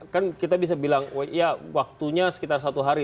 kan kita bisa bilang ya waktunya sekitar satu hari